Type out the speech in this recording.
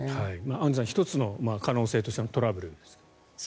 アンジュさん１つの可能性としてのトラブルですが。